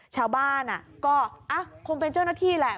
ชาวบ้านก็คงเป็นเจ้าหน้าที่แหละ